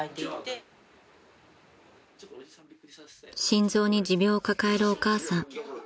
［心臓に持病を抱えるお母さん］